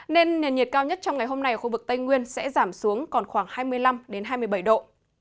nên nền nhiệt cao nhất trong ngày hôm nay ở khu vực tây nguyên sẽ giảm xuống còn khoảng hai mươi năm hai mươi bảy độ